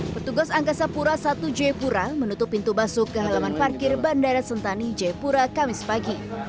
petugas angkasa pura satu jepura menutup pintu basuh ke halaman parkir bandara sentani jepura kamis pagi